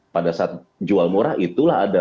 pada saat jual murah itulah ada